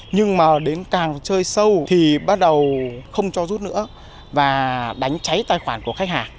nhưng mà đến càng chơi sâu thì bắt đầu không cho rút nữa và đánh cháy tài khoản của khách hàng